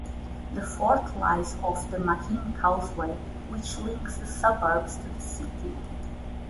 The fort lies off the Mahim Causeway which links the suburbs to the city.